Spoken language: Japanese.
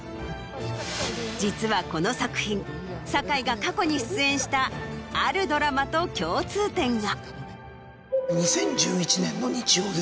実はこの作品堺が過去に出演したあるドラマと共通点が。